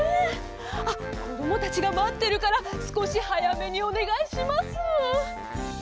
あっこどもたちがまってるからすこしはやめにおねがいします。